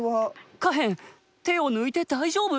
下辺手を抜いて大丈夫？